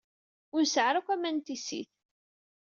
Ur nesɛi ara akk aman n tissit.